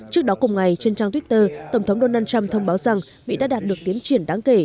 trước đó cùng ngày trên trang twitter tổng thống donald trump thông báo rằng mỹ đã đạt được tiến triển đáng kể